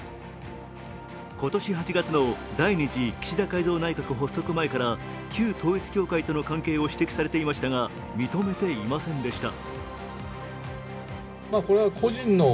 今年８月の第２次岸田改造内閣発足前から旧統一教会との関係を指摘されていましたが認めていませんでした。